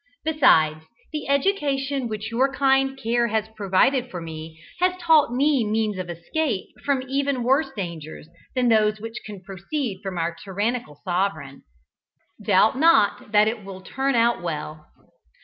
Besides, the education which your kind care has provided for me, has taught me means of escape from even worse dangers than those which can proceed from our tyrannical sovereign. Doubt not that it will turn out well."